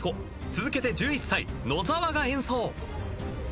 続けて１１歳野澤が演奏。